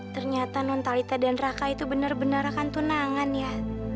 ternyata nontalita dan raka itu bener bener akan tunangan ya